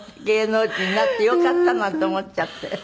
芸能人になってよかったなんて思っちゃって。